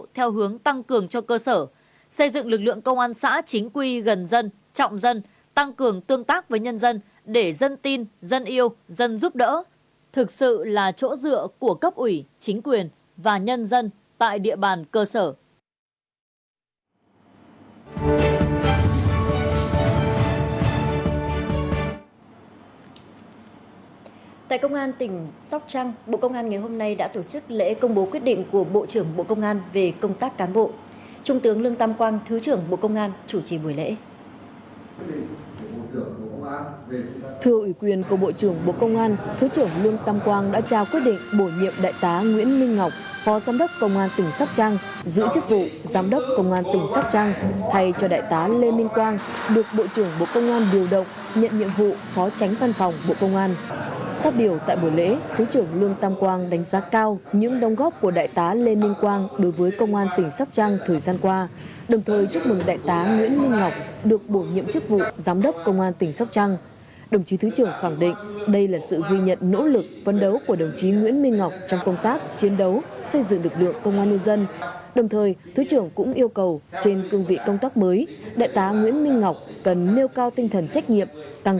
thứ trưởng lương tâm quang đã trao quyết định bổ nhiệm đại tá nguyễn minh ngọc phó giám đốc công an tỉnh sóc trăng giữ chức vụ giám đốc công an tỉnh sóc trăng thay cho đại tá lê minh quang giữ chức vụ giám đốc công an tỉnh sóc trăng thay cho đại tá lê minh quang giữ chức vụ giám đốc công an tỉnh sóc trăng